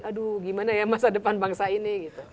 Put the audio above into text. aduh gimana ya masa depan bangsa ini